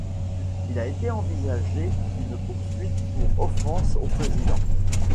Il a été envisagé une poursuite pour offense au président.